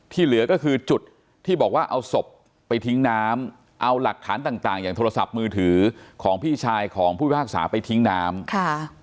เหลือก็คือจุดที่บอกว่าเอาศพไปทิ้งน้ำเอาหลักฐานต่างต่างอย่างโทรศัพท์มือถือของพี่ชายของผู้พิพากษาไปทิ้งน้ำค่ะ